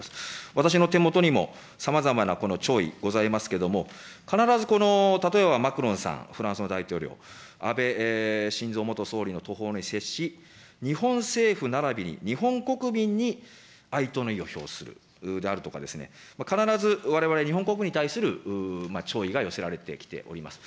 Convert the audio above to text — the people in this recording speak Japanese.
私の手元にも、さまざまな弔意ございますけれども、必ず、例えば、マクロンさん、フランスの大統領、安倍晋三元総理のとほうに接し、日本政府ならびに日本国民に哀悼の意を表するであるとか、必ずわれわれ日本国に対する、弔意が寄せられてきております。